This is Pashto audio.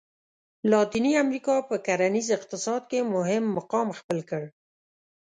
لاتیني امریکا په کرنیز اقتصاد کې مهم مقام خپل کړ.